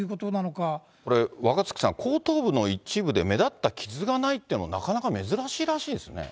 これ、若槻さん、後頭部の一部で目立った傷がないっていうのも、なかなか珍しいらしいですね？